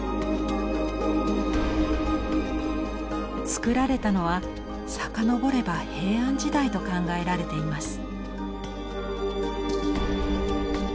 つくられたのは遡れば平安時代と考えられています。